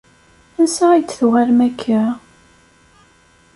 Ansa ay d-tuɣalem akka?